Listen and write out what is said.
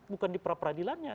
bukan di pra peradilannya